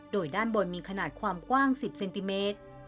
โดยด้านบนมีขนาดความกว้าง๑๐เซนติเมตร